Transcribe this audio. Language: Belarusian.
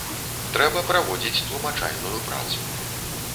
Трэба праводзіць тлумачальную працу.